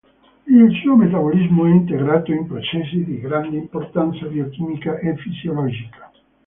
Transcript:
Il suo metabolismo è integrato in processi di grande importanza biochimica e fisiologica.